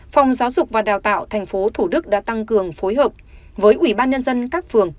phòng giáo dục và đào tạo tp hcm đã tăng cường phối hợp với ubnd các phường